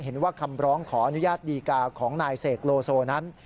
เห็นว่าคำร้องขออนุญาตดีกาของนายเสกโลโซนั้น